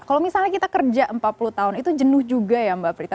kalau misalnya kita kerja empat puluh tahun itu jenuh juga ya mbak prita